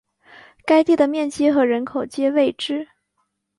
该地的面积和人口皆未知。